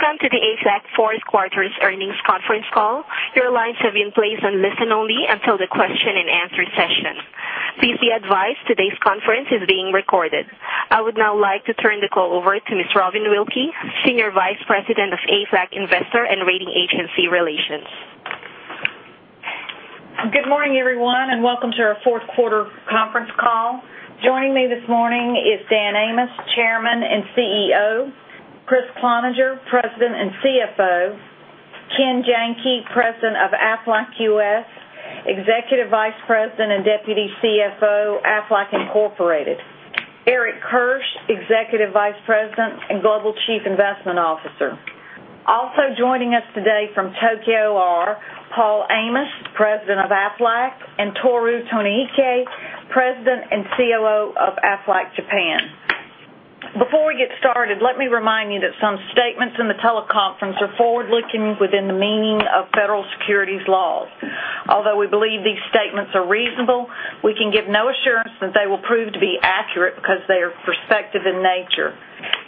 Welcome to the Aflac fourth quarter earnings conference call. Your lines have been placed on listen only until the question and answer session. Please be advised today's conference is being recorded. I would now like to turn the call over to Ms. Robin Wilkey, Senior Vice President of Aflac Investor and Rating Agency Relations. Good morning, everyone. Welcome to our fourth quarter conference call. Joining me this morning is Dan Amos, Chairman and CEO, Kriss Cloninger, President and CFO, Ken Janke, President of Aflac U.S., Executive Vice President and Deputy CFO, Aflac Incorporated, Eric Kirsch, Executive Vice President and Global Chief Investment Officer. Also joining us today from Tokyo are Paul Amos, President of Aflac, and Tohru Tonoike, President and COO of Aflac Japan. Before we get started, let me remind you that some statements in the teleconference are forward-looking within the meaning of Federal Securities Laws. Although we believe these statements are reasonable, we can give no assurance that they will prove to be accurate because they are prospective in nature.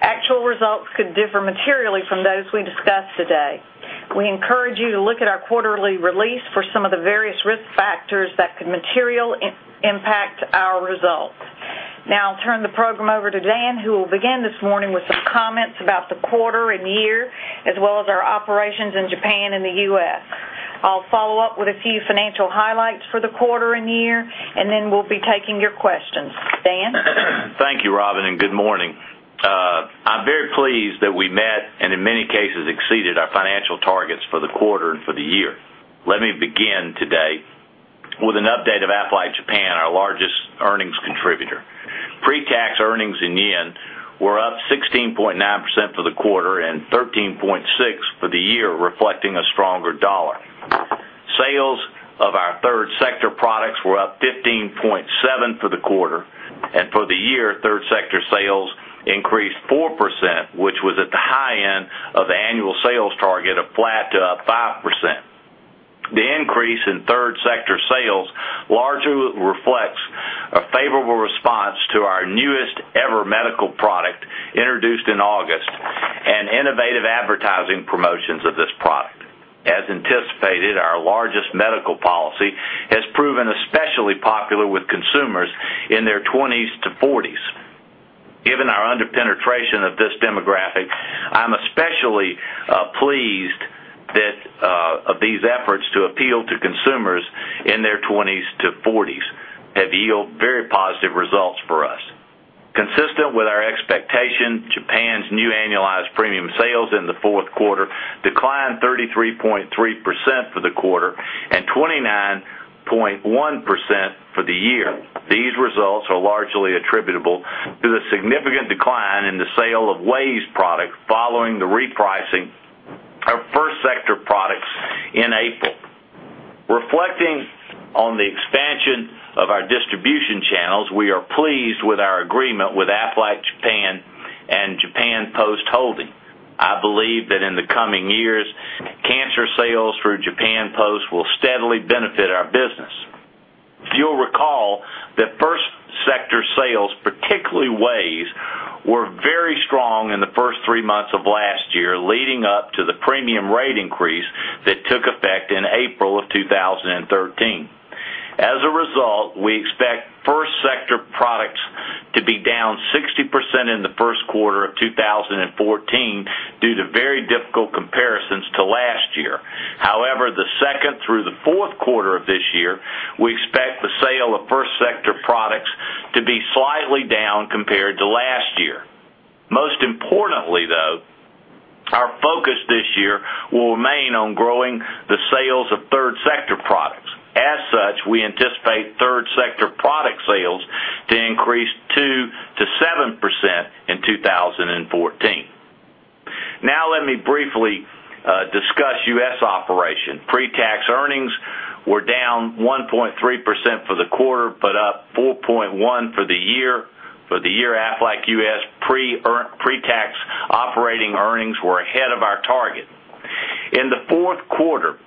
Actual results could differ materially from those we discuss today. We encourage you to look at our quarterly release for some of the various risk factors that could materially impact our results. I'll turn the program over to Dan, who will begin this morning with some comments about the quarter and year, as well as our operations in Japan and the U.S. I'll follow up with a few financial highlights for the quarter and year. Then we'll be taking your questions. Dan? Thank you, Robin. Good morning. I'm very pleased that we met, and in many cases, exceeded our financial targets for the quarter and for the year. Let me begin today with an update of Aflac Japan, our largest earnings contributor. Pre-tax earnings in JPY were up 16.9% for the quarter and 13.6% for the year, reflecting a stronger dollar. Sales of our third sector products were up 15.7% for the quarter. For the year, third sector sales increased 4%, which was at the high end of the annual sales target of flat to up 5%. The increase in third sector sales largely reflects a favorable response to our newest EVER medical product introduced in August and innovative advertising promotions of this product. As anticipated, our largest medical policy has proven especially popular with consumers in their twenties to forties. Given our under-penetration of this demographic, I'm especially pleased that of these efforts to appeal to consumers in their 20s to 40s have yield very positive results for us. Consistent with our expectation, Japan's new annualized premium sales in the fourth quarter declined 33.3% for the quarter and 29.1% for the year. These results are largely attributable to the significant decline in the sale of WAYS product following the repricing of first sector products in April. Reflecting on the expansion of our distribution channels, we are pleased with our agreement with Aflac Japan and Japan Post Holdings. I believe that in the coming years, cancer sales through Japan Post will steadily benefit our business. If you'll recall that first sector sales, particularly WAYS, were very strong in the first three months of last year, leading up to the premium rate increase that took effect in April of 2013. As a result, we expect first sector products to be down 60% in the first quarter of 2014 due to very difficult comparisons to last year. However, the second through the fourth quarter of this year, we expect the sale of first sector products to be slightly down compared to last year. Most importantly, though, our focus this year will remain on growing the sales of third sector products. As such, we anticipate third sector product sales to increase 2%-7% in 2014. Now let me briefly discuss U.S. operation. Pre-tax earnings were down 1.3% for the quarter, but up 4.1% for the year. For the year, Aflac U.S. pre-tax operating earnings were ahead of our target. In the fourth quarter,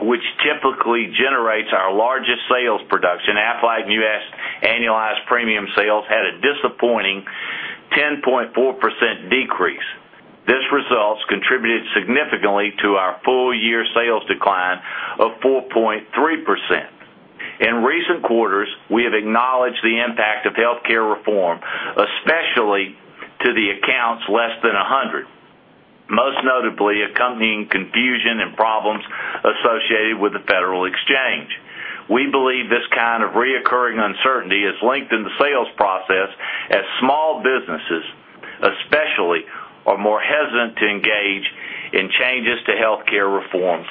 which typically generates our largest sales production, Aflac U.S. annualized premium sales had a disappointing 10.4% decrease. These results contributed significantly to our full year sales decline of 4.3%. In recent quarters, we have acknowledged the impact of healthcare reform, especially to the accounts less than 100, most notably accompanying confusion and problems associated with the federal exchange. We believe this kind of reoccurring uncertainty has lengthened the sales process as small businesses, especially, are more hesitant to engage in changes to healthcare reform.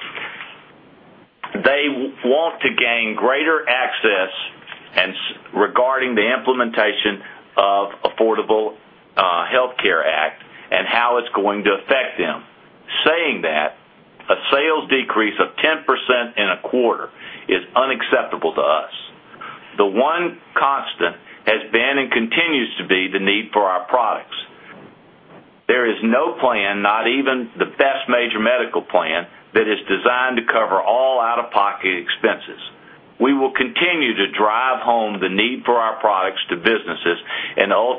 They want to gain greater access regarding the implementation of Affordable Care Act and how it's going to affect them. Saying that, a sales decrease of 10% in a quarter is unacceptable to us. The one constant has been and continues to be the need for our products. There is no plan, not even the best major medical plan.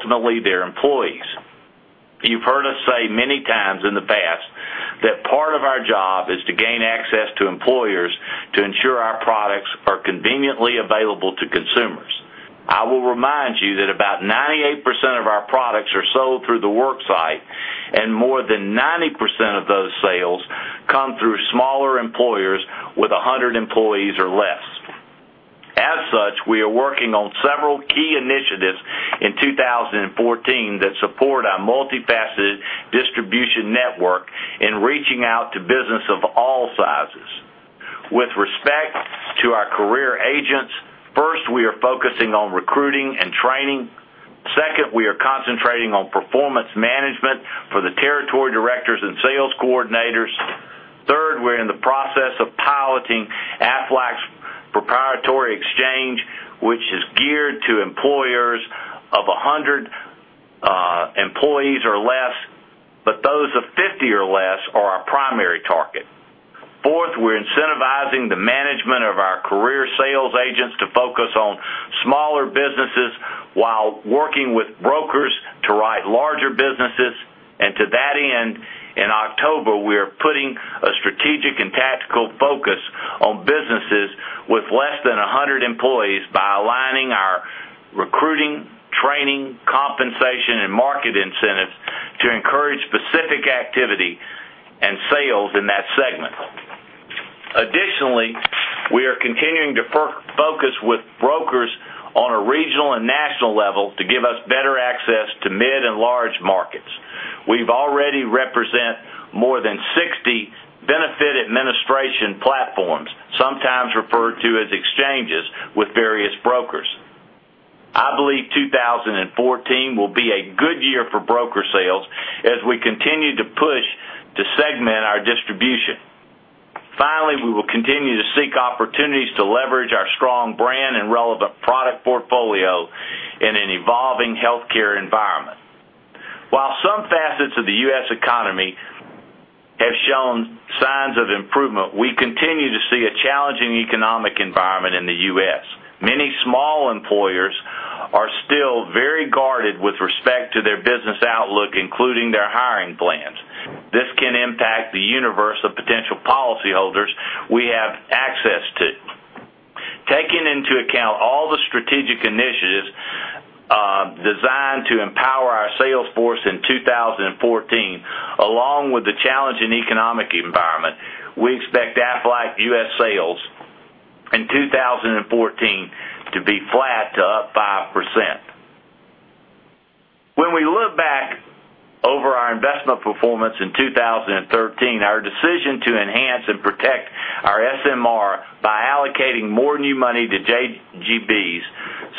Ultimately, their employees. You've heard us say many times in the past that part of our job is to gain access to employers to ensure our products are conveniently available to consumers. I will remind you that about 98% of our products are sold through the work site, and more than 90% of those sales come through smaller employers with 100 employees or less. As such, we are working on several key initiatives in 2014 that support our multifaceted distribution network in reaching out to businesses of all sizes. With respect to our career agents, first, we are focusing on recruiting and training. Second, we are concentrating on performance management for the territory directors and sales coordinators. Third, we're in the process of piloting Aflac's proprietary exchange, which is geared to employers of 100 employees or less, but those of 50 or less are our primary target. Fourth, we're incentivizing the management of our career sales agents to focus on smaller businesses while working with brokers to write larger businesses. To that end, in October, we are putting a strategic and tactical focus on businesses with less than 100 employees by aligning our recruiting, training, compensation, and market incentives to encourage specific activity and sales in that segment. Additionally, we are continuing to focus with brokers on a regional and national level to give us better access to mid and large markets. We've already represent more than 60 benefit administration platforms, sometimes referred to as exchanges, with various brokers. I believe 2014 will be a good year for broker sales as we continue to push to segment our distribution. Finally, we will continue to seek opportunities to leverage our strong brand and relevant product portfolio in an evolving healthcare environment. While some facets of the U.S. economy have shown signs of improvement, we continue to see a challenging economic environment in the U.S. Many small employers are still very guarded with respect to their business outlook, including their hiring plans. This can impact the universe of potential policyholders we have access to. Taking into account all the strategic initiatives designed to empower our sales force in 2014, along with the challenging economic environment, we expect Aflac U.S. sales in 2014 to be flat to up 5%. When we look back over our investment performance in 2013, our decision to enhance and protect our SMR by allocating more new money to JGBs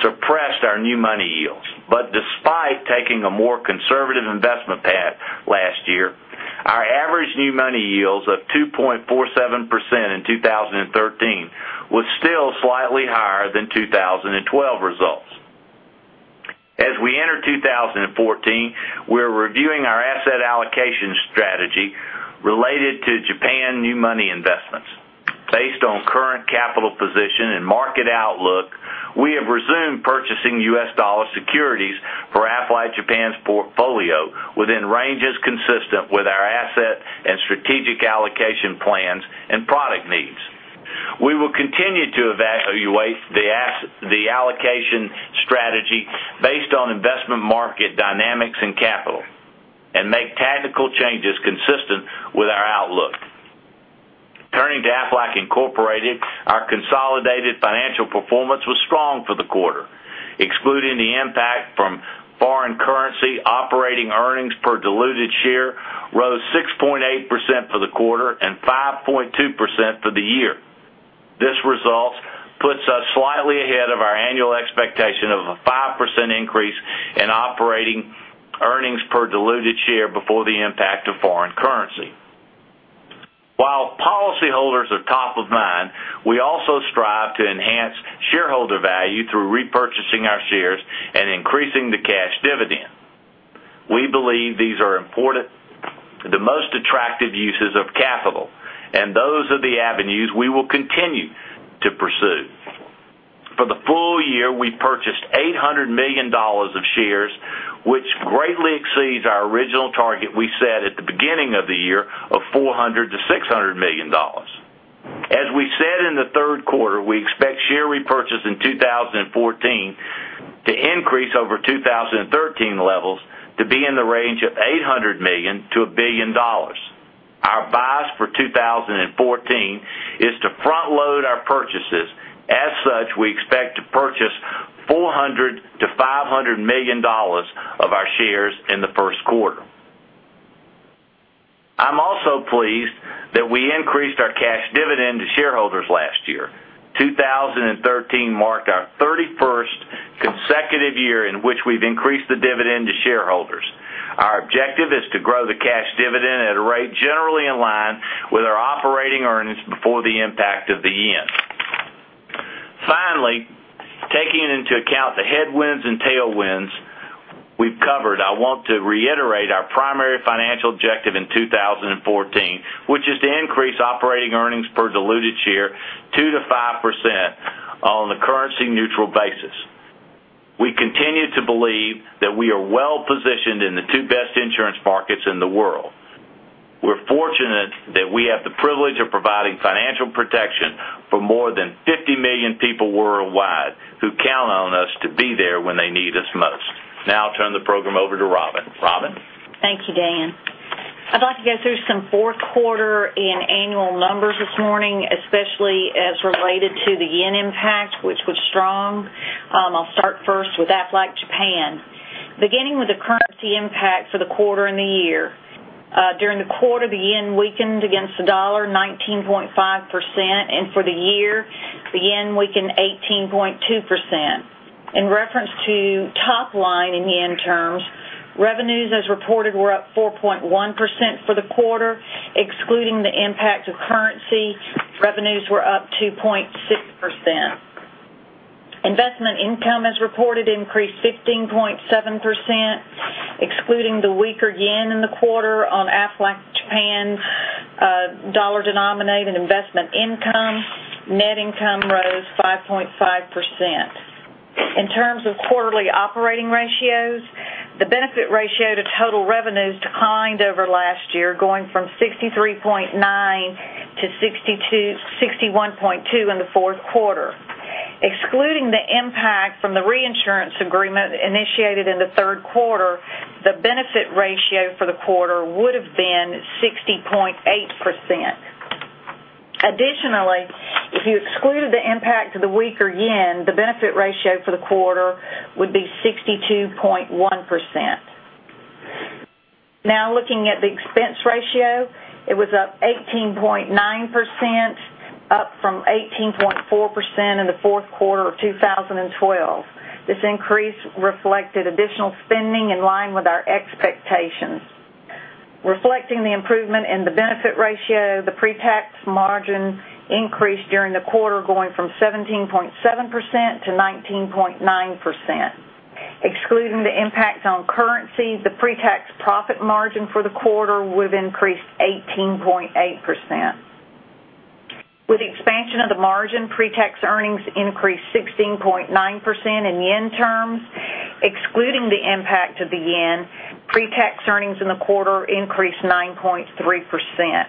suppressed our new money yields. Despite taking a more conservative investment path last year, our average new money yields of 2.47% in 2013 were still slightly higher than 2012 results. As we enter 2014, we're reviewing our asset allocation strategy related to Japan new money investments. Based on current capital position and market outlook, we have resumed purchasing $ securities for Aflac Japan's portfolio within ranges consistent with our asset and strategic allocation plans and product needs. We will continue to evaluate the allocation strategy based on investment market dynamics and capital and make tactical changes consistent with our outlook. Turning to Aflac Incorporated, our consolidated financial performance was strong for the quarter. Excluding the impact from foreign currency, operating earnings per diluted share rose 6.8% for the quarter and 5.2% for the year. This result puts us slightly ahead of our annual expectation of a 5% increase in operating earnings per diluted share before the impact of foreign currency. While policyholders are top of mind, we also strive to enhance shareholder value through repurchasing our shares and increasing the cash dividend. We believe these are the most attractive uses of capital, and those are the avenues we will continue to pursue. For the full year, we purchased $800 million of shares, which greatly exceeds our original target we set at the beginning of the year of $400 million-$600 million. As we said in the third quarter, we expect share repurchase in 2014 to increase over 2013 levels to be in the range of $800 million-$1 billion. Our bias for 2014 is to front-load our purchases. As such, we expect to purchase $400 million-$500 million of our shares in the first quarter. I'm also pleased that we increased our cash dividend to shareholders last year. 2013 marked our 31st consecutive year in which we've increased the dividend to shareholders. Our objective is to grow the cash dividend at a rate generally in line with our operating earnings before the impact of the yen. Finally, taking into account the headwinds and tailwinds we've covered, I want to reiterate our primary financial objective in 2014, which is to increase operating earnings per diluted share on a currency-neutral basis. We continue to believe that we are well-positioned in the two best insurance markets in the world. We're fortunate that we have the privilege of providing financial protection for more than 50 million people worldwide who count on us to be there when they need us most. Now I'll turn the program over to Robin. Robin? Thank you, Dan. I'd like to go through some fourth quarter and annual numbers this morning, especially as related to the yen impact, which was strong. I'll start first with Aflac Japan. Beginning with the currency impact for the quarter and the year. During the quarter, the yen weakened against the dollar 19.5%, and for the year, the yen weakened 18.2%. In reference to top line in yen terms, revenues as reported were up 4.1% for the quarter. Excluding the impact of currency, revenues were up 2.6%. Investment income as reported increased 15.7%, excluding the weaker yen in the quarter on Aflac Japan USD-denominated investment income, net income rose 5.5%. In terms of quarterly operating ratios, the benefit ratio to total revenues declined over last year, going from 63.9% to 61.2% in the fourth quarter. Excluding the impact from the reinsurance agreement initiated in the third quarter, the benefit ratio for the quarter would've been 60.8%. Additionally, if you exclude the impact of the weaker yen, the benefit ratio for the quarter would be 62.1%. Now, looking at the expense ratio, it was up 18.9%, up from 18.4% in the fourth quarter of 2012. This increase reflected additional spending in line with our expectations. Reflecting the improvement in the benefit ratio, the pre-tax margin increased during the quarter, going from 17.7% to 19.9%. Excluding the impact on currency, the pre-tax profit margin for the quarter would've increased 18.8%. With the expansion of the margin, pre-tax earnings increased 16.9% in yen terms. Excluding the impact of the yen, pre-tax earnings in the quarter increased 9.3%.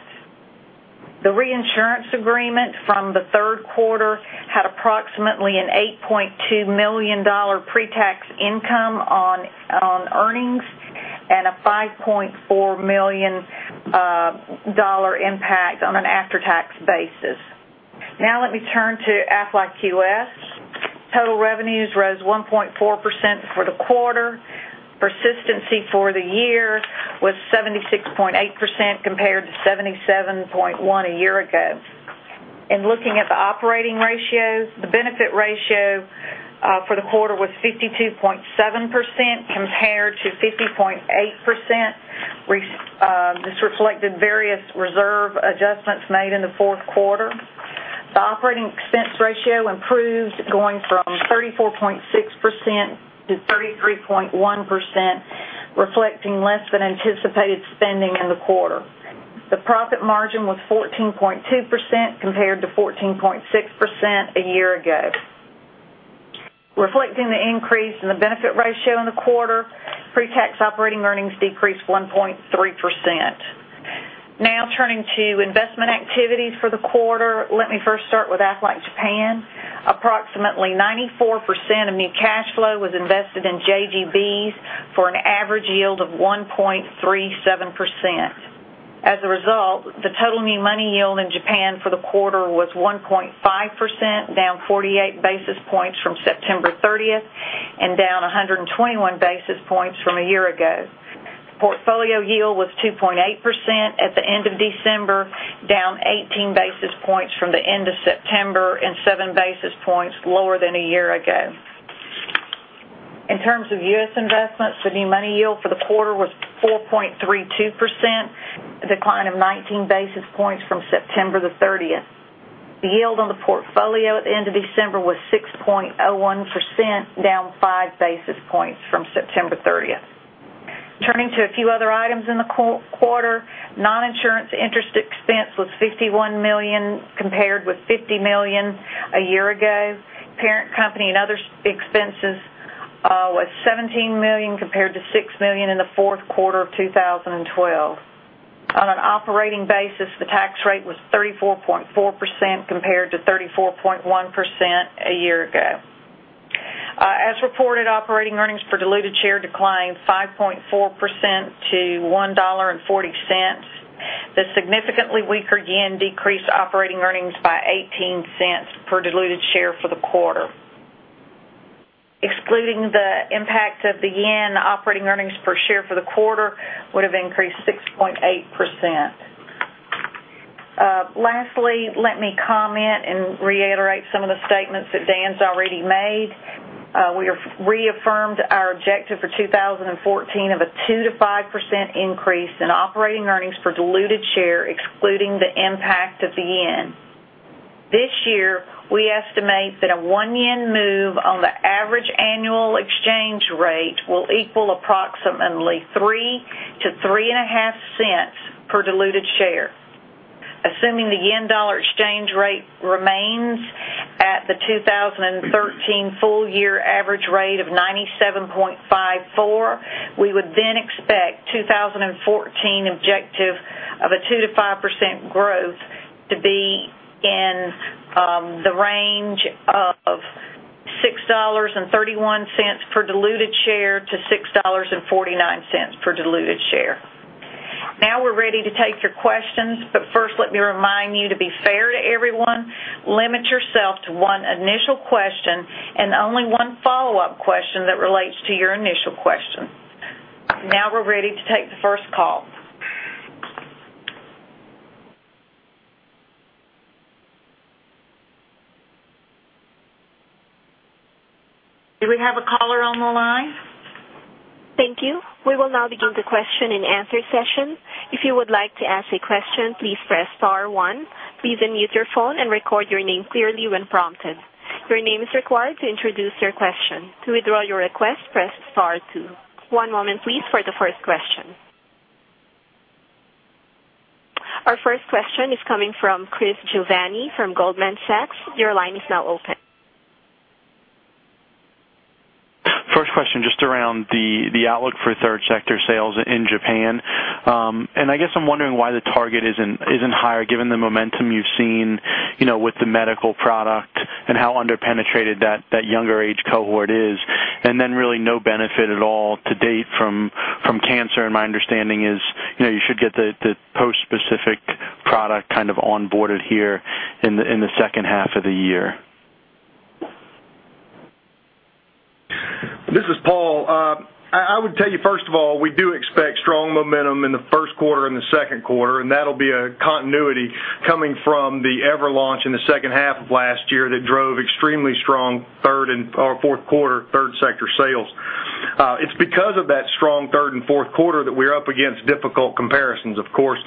The reinsurance agreement from the third quarter had approximately an $8.2 million pre-tax income on earnings and a $5.4 million impact on an after-tax basis. Let me turn to Aflac U.S. Total revenues rose 1.4% for the quarter. Persistency for the year was 76.8% compared to 77.1% a year ago. In looking at the operating ratios, the benefit ratio for the quarter was 52.7% compared to 50.8%. This reflected various reserve adjustments made in the fourth quarter. The operating expense ratio improved, going from 34.6% to 33.1%, reflecting less than anticipated spending in the quarter. The profit margin was 14.2% compared to 14.6% a year ago. Reflecting the increase in the benefit ratio in the quarter, pre-tax operating earnings decreased 1.3%. Turning to investment activities for the quarter. Let me first start with Aflac Japan. Approximately 94% of new cash flow was invested in JGBs for an average yield of 1.37%. The total new money yield in Japan for the quarter was 1.5%, down 48 basis points from September 30th and down 121 basis points from a year ago. Portfolio yield was 2.8% at the end of December, down 18 basis points from the end of September and seven basis points lower than a year ago. In terms of U.S. investments, the new money yield for the quarter was 4.32%, a decline of 19 basis points from September the 30th. The yield on the portfolio at the end of December was 6.01%, down five basis points from September 30th. Turning to a few other items in the quarter, non-insurance interest expense was $51 million, compared with $50 million a year ago. Parent company and other expenses was $17 million compared to $6 million in the fourth quarter of 2012. On an operating basis, the tax rate was 34.4% compared to 34.1% a year ago. As reported, operating earnings per diluted share declined 5.4% to $1.40. The significantly weaker yen decreased operating earnings by $0.18 per diluted share for the quarter. Excluding the impact of the yen, operating earnings per share for the quarter would've increased 6.8%. Lastly, let me comment and reiterate some of the statements that Dan's already made. We have reaffirmed our objective for 2014 of a 2%-5% increase in operating earnings per diluted share, excluding the impact of the yen. This year, we estimate that a one yen move on the average annual rate will equal approximately $0.03 to $0.035 per diluted share. Assuming the yen-dollar exchange rate remains at the 2013 full year average rate of 97.54, we would expect 2014 objective of a 2%-5% growth to be in the range of $6.31 per diluted share to $6.49 per diluted share. We're ready to take your questions. First, let me remind you to be fair to everyone, limit yourself to one initial question and only one follow-up question that relates to your initial question. We're ready to take the first call. Do we have a caller on the line? Thank you. We will now begin the question and answer session. If you would like to ask a question, please press star one. Please unmute your phone and record your name clearly when prompted. Your name is required to introduce your question. To withdraw your request, press star two. One moment please for the first question. Our first question is coming from Chris Giovanni from Goldman Sachs. Your line is now open. First question, just around the outlook for third sector sales in Japan. I guess I'm wondering why the target isn't higher, given the momentum you've seen with the medical product and how under-penetrated that younger age cohort is, and then really no benefit at all to date from cancer. My understanding is you should get the post-specific product onboarded here in the second half of the year. This is Paul. I would tell you, first of all, we do expect strong momentum in the first quarter and the second quarter, and that'll be a continuity coming from the EVER launch in the second half of last year that drove extremely strong third and/or fourth quarter, third sector sales. It's because of that strong third and fourth quarter that we're up against difficult comparisons. Of course,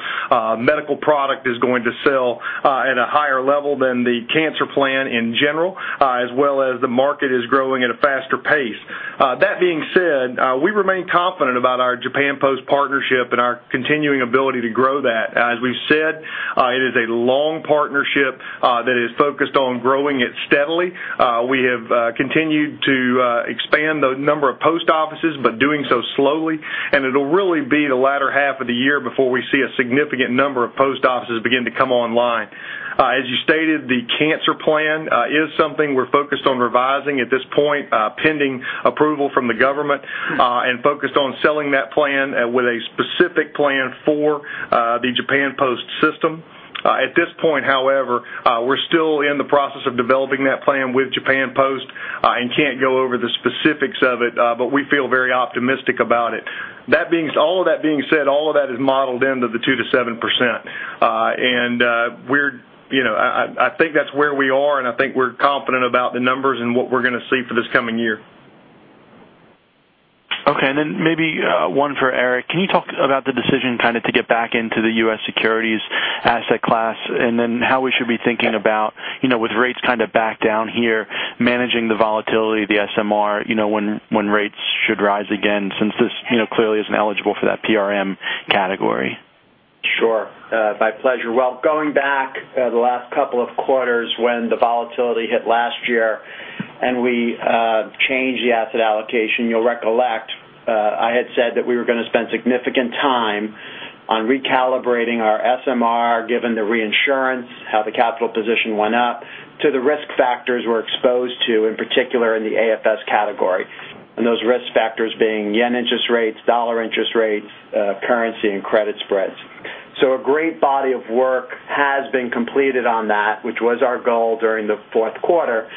medical product is going to sell at a higher level than the cancer plan in general, as well as the market is growing at a faster pace. That being said, we remain confident about our Japan Post partnership and our continuing ability to grow that. As we've said, it is a long partnership that is focused on growing it steadily. We have continued to expand the number of post offices, but doing so slowly, and it'll really be the latter half of the year before we see a significant number of post offices begin to come online. As you stated, the cancer plan is something we're focused on revising at this point, pending approval from the government, and focused on selling that plan with a specific plan for the Japan Post system. At this point, however, we're still in the process of developing that plan with Japan Post and can't go over the specifics of it. We feel very optimistic about it. All of that being said, all of that is modeled into the 2%-7%. I think that's where we are, and I think we're confident about the numbers and what we're going to see for this coming year. Okay, maybe one for Eric. Can you talk about the decision to get back into the U.S. securities asset class, then how we should be thinking about with rates back down here, managing the volatility of the SMR when rates should rise again since this clearly isn't eligible for that PRM category? Sure. My pleasure. Going back the last couple of quarters when the volatility hit last year and we changed the asset allocation, you'll recollect I had said that we were going to spend significant time on recalibrating our SMR, given the reinsurance, how the capital position went up, to the risk factors we're exposed to, in particular in the AFS category. Those risk factors being yen interest rates, dollar interest rates, currency, and credit spreads. A great body of work has been completed on that, which was our goal during the fourth quarter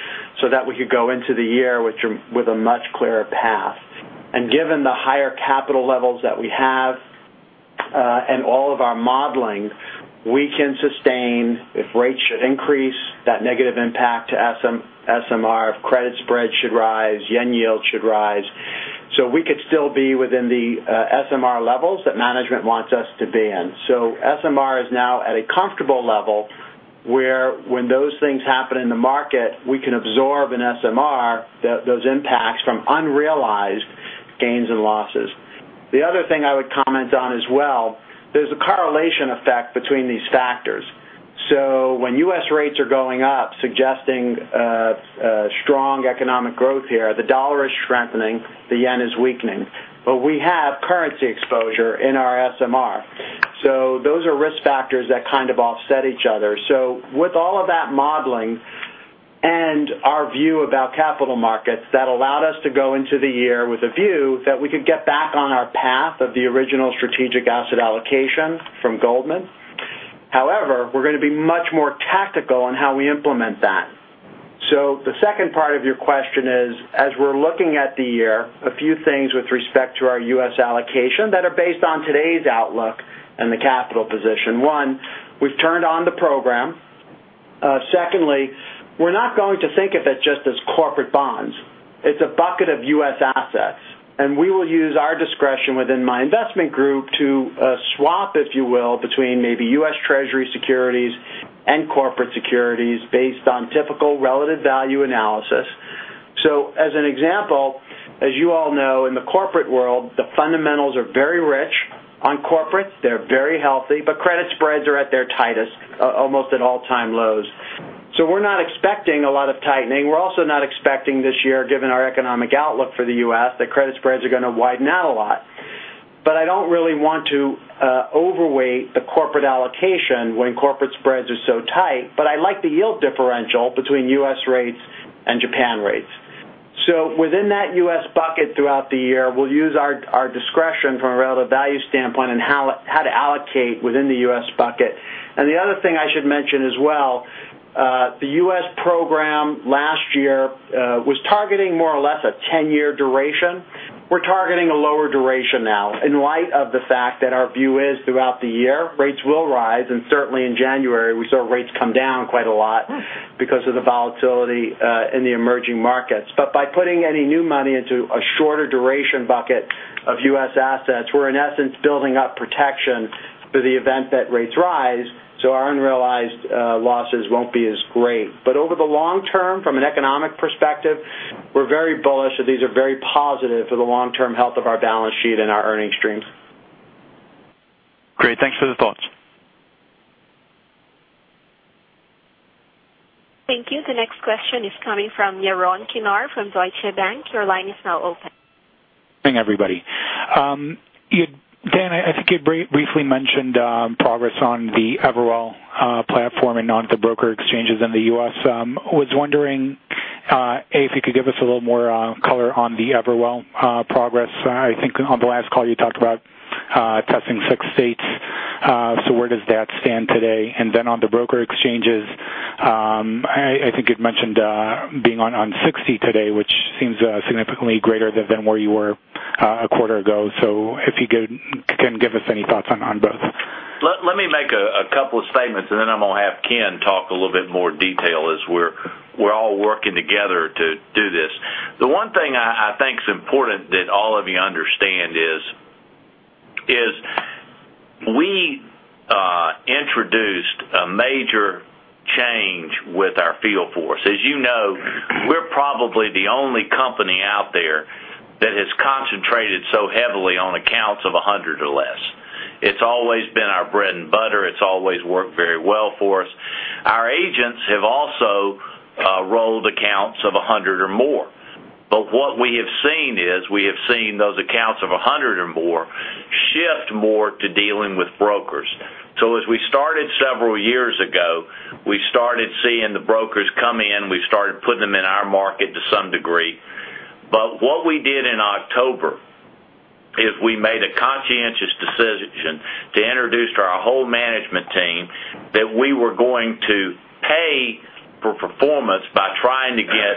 so that we could go into the year with a much clearer path. Given the higher capital levels that we have, and all of our modeling, we can sustain if rates should increase that negative impact to SMR, if credit spreads should rise, yen yield should rise. We could still be within the SMR levels that management wants us to be in. SMR is now at a comfortable level where when those things happen in the market, we can absorb in SMR those impacts from unrealized gains and losses. The other thing I would comment on as well, there's a correlation effect between these factors. When U.S. rates are going up, suggesting strong economic growth here, the dollar is strengthening, the yen is weakening. We have currency exposure in our SMR. Those are risk factors that kind of offset each other. With all of that modeling and our view about capital markets, that allowed us to go into the year with a view that we could get back on our path of the original strategic asset allocation from Goldman. However, we're going to be much more tactical on how we implement that. The second part of your question is, as we're looking at the year, a few things with respect to our U.S. allocation that are based on today's outlook and the capital position. One, we've turned on the program. Secondly, we're not going to think of it just as corporate bonds. It's a bucket of U.S. assets, and we will use our discretion within my investment group to swap, if you will, between maybe U.S. Treasury securities Corporate securities based on typical relative value analysis. As an example, as you all know, in the corporate world, the fundamentals are very rich on corporates. They're very healthy, but credit spreads are at their tightest, almost at all-time lows. We're not expecting a lot of tightening. We're also not expecting this year, given our economic outlook for the U.S., that credit spreads are going to widen out a lot. I don't really want to overweight the corporate allocation when corporate spreads are so tight. I like the yield differential between U.S. rates and Japan rates. Within that U.S. bucket throughout the year, we'll use our discretion from a relative value standpoint on how to allocate within the U.S. bucket. The other thing I should mention as well, the U.S. program last year was targeting more or less a 10-year duration. We're targeting a lower duration now in light of the fact that our view is throughout the year, rates will rise, and certainly in January, we saw rates come down quite a lot because of the volatility in the emerging markets. By putting any new money into a shorter duration bucket of U.S. assets, we're in essence building up protection for the event that rates rise, so our unrealized losses won't be as great. Over the long term, from an economic perspective, we're very bullish that these are very positive for the long-term health of our balance sheet and our earnings streams. Great. Thanks for the thoughts. Thank you. The next question is coming from Yaron Kinar from Deutsche Bank. Your line is now open. Good morning, everybody. Dan, I think you briefly mentioned progress on the Everwell platform and on the broker exchanges in the U.S. I was wondering, A, if you could give us a little more color on the Everwell progress. I think on the last call you talked about testing six states. Where does that stand today? On the broker exchanges, I think you'd mentioned being on 60 today, which seems significantly greater than where you were a quarter ago. If you can give us any thoughts on both. Let me make a couple of statements, I'm going to have Ken talk a little bit more detail as we're all working together to do this. The one thing I think is important that all of you understand is we introduced a major change with our field force. As you know, we're probably the only company out there that has concentrated so heavily on accounts of 100 or less. It's always been our bread and butter. It's always worked very well for us. Our agents have also rolled accounts of 100 or more. What we have seen is, we have seen those accounts of 100 or more shift more to dealing with brokers. As we started several years ago, we started seeing the brokers come in, we started putting them in our market to some degree. What we did in October is we made a conscientious decision to introduce to our whole management team that we were going to pay for performance by trying to get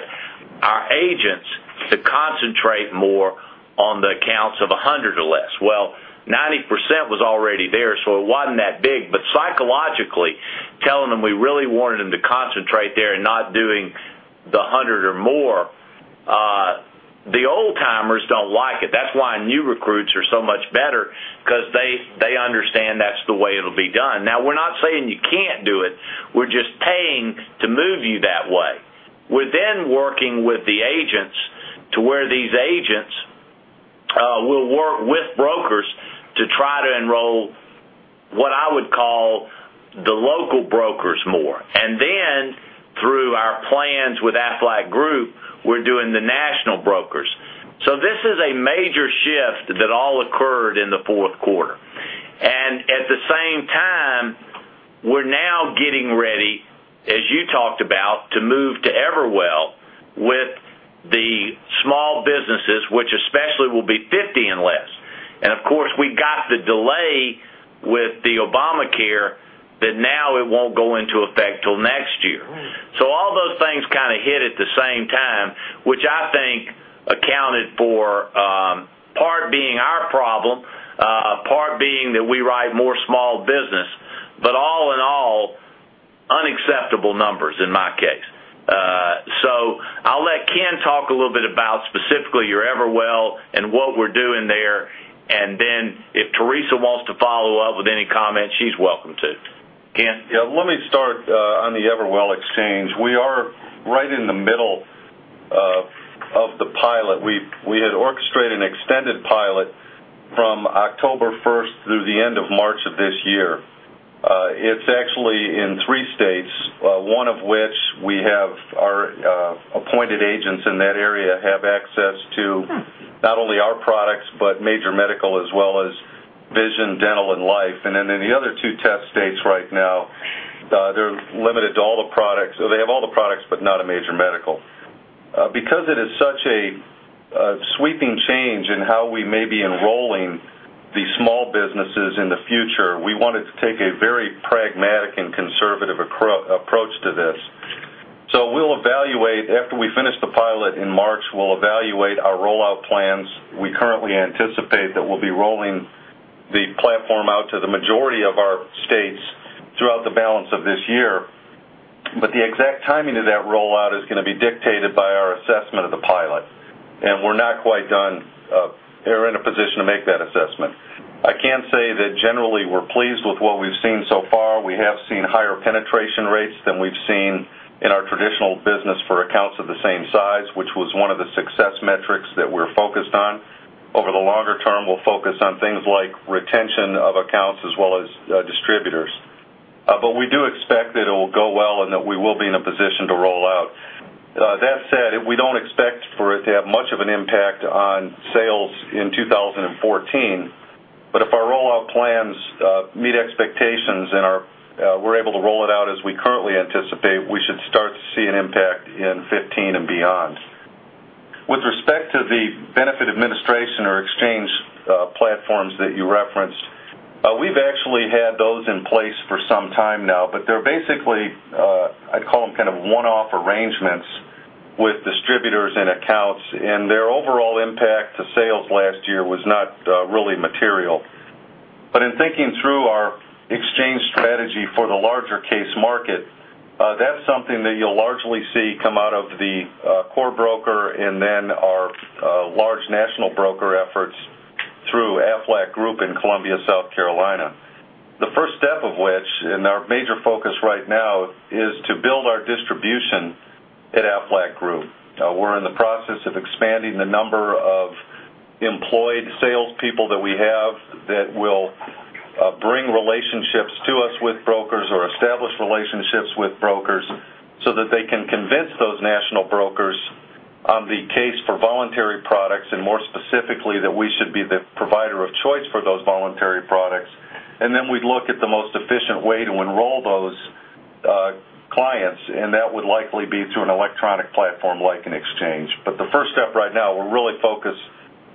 our agents to concentrate more on the accounts of 100 or less. Well, 90% was already there, it wasn't that big. Psychologically, telling them we really wanted them to concentrate there and not doing the 100 or more, the old-timers don't like it. That's why new recruits are so much better because they understand that's the way it'll be done. Now, we're not saying you can't do it. We're just paying to move you that way. We're working with the agents to where these agents will work with brokers to try to enroll, what I would call the local brokers more. Through our plans with Aflac Group, we're doing the national brokers. This is a major shift that all occurred in the fourth quarter. At the same time, we're now getting ready, as you talked about, to move to Everwell with the small businesses, which especially will be 50 and less. Of course, we got the delay with the Obamacare that now it won't go into effect till next year. All those things kind of hit at the same time, which I think accounted for part being our problem, part being that we write more small business, but all in all, unacceptable numbers in my case. I'll let Ken talk a little bit about specifically your Everwell and what we're doing there, if Teresa wants to follow up with any comments, she's welcome to. Ken. Yeah, let me start on the Everwell exchange. We are right in the middle of the pilot. We had orchestrated an extended pilot from October 1st through the end of March of this year. It's actually in three states, one of which we have our appointed agents in that area have access to not only our products, but major medical as well as vision, dental, and life. Then in the other two test states right now, they're limited to all the products. They have all the products, but not a major medical. It is such a sweeping change in how we may be enrolling the small businesses in the future, we wanted to take a very pragmatic and conservative approach to this. After we finish the pilot in March, we'll evaluate our rollout plans. We currently anticipate that we'll be rolling the platform out to the majority of our states throughout the balance of this year. The exact timing of that rollout is going to be dictated by our We're not quite done or in a position to make that assessment. I can say that generally we're pleased with what we've seen so far. We have seen higher penetration rates than we've seen in our traditional business for accounts of the same size, which was one of the success metrics that we're focused on. Over the longer term, we'll focus on things like retention of accounts as well as distributors. We do expect that it will go well and that we will be in a position to roll out. That said, we don't expect for it to have much of an impact on sales in 2014. If our rollout plans meet expectations and we're able to roll it out as we currently anticipate, we should start to see an impact in 2015 and beyond. With respect to the benefit administration or exchange platforms that you referenced, we've actually had those in place for some time now, they're basically, I'd call them kind of one-off arrangements with distributors and accounts, and their overall impact to sales last year was not really material. In thinking through our exchange strategy for the larger case market, that's something that you'll largely see come out of the core broker and then our large national broker efforts through Aflac Group in Columbia, South Carolina. The first step of which, and our major focus right now, is to build our distribution at Aflac Group. We're in the process of expanding the number of employed salespeople that we have that will bring relationships to us with brokers or establish relationships with brokers so that they can convince those national brokers on the case for voluntary products, and more specifically, that we should be the provider of choice for those voluntary products. Then we'd look at the most efficient way to enroll those clients, and that would likely be through an electronic platform like an exchange. The first step right now, we're really focused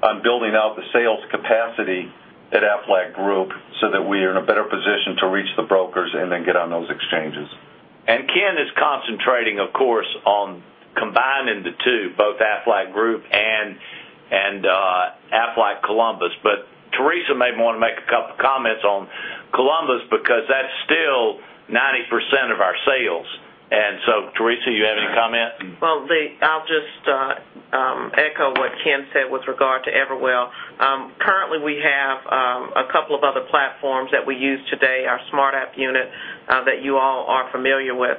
on building out the sales capacity at Aflac Group so that we are in a better position to reach the brokers and then get on those exchanges. Ken is concentrating, of course, on combining the two, both Aflac Group and Aflac Columbus. Teresa may want to make a couple comments on Columbus because that's still 90% of our sales. Teresa, you have any comment? Well, me, I'll just echo what Ken said with regard to Everwell. Currently, we have a couple of other platforms that we use today, our SmartApp unit, that you all are familiar with.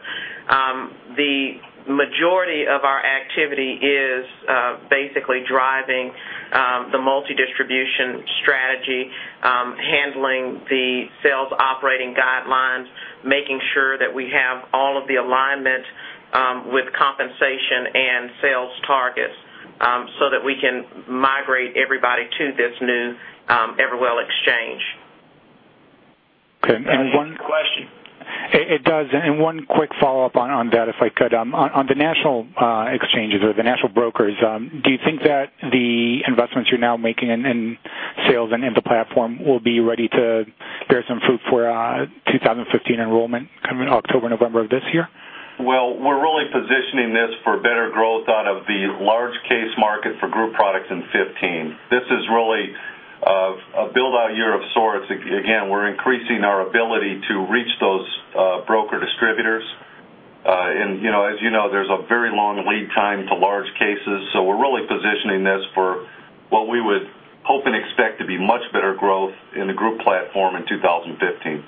The majority of our activity is basically driving the multi-distribution strategy, handling the sales operating guidelines, making sure that we have all of the alignment with compensation and sales targets, so that we can migrate everybody to this new Everwell exchange. Okay. Does that answer your question? It does. One quick follow-up on that, if I could. On the national exchanges or the national brokers, do you think that the investments you're now making in sales and in the platform will be ready to bear some fruit for 2015 enrollment coming October, November of this year? Well, we're really positioning this for better growth out of the large case market for group products in 2015. This is really a build-out year of sorts. Again, we're increasing our ability to reach those broker distributors. As you know, there's a very long lead time to large cases. We're really positioning this for what we would hope and expect to be much better growth in the group platform in 2015.